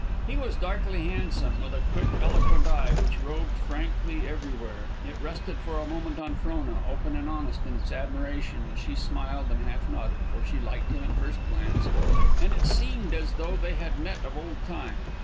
He was darkly handsome, with a quick, eloquent eye which roved frankly everywhere. It rested for a moment on Frona, open and honest in its admiration, and she smiled and half nodded, for she liked him at first glance, and it seemed as though they had met of old time.